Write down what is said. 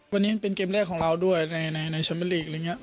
วันนี้เป็นเกมเลขของเราด้วยในในในชั้นเป็นลีกอะไรอย่างเงี้ย